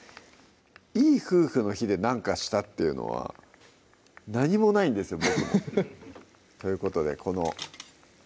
いい夫婦の日で何かしたっていうのは何もないんですよ